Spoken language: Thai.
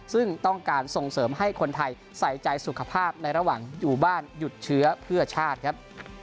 ซึ่งต้องการส่งเสริมให้คนไทยใส่ใจสุขภาพในระหว่างอยู่บ้านหยุดเชื้อเพื่อชาติครับ